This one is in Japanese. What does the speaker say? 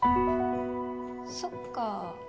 そっかぁ